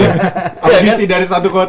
apalagi dari satu kotak